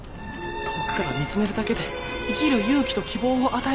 遠くから見つめるだけで生きる勇気と希望を与えてくださるアポロン。